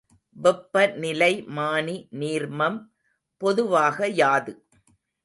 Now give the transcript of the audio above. வெப்பநிலைமானி நீர்மம் பொதுவாக யாது?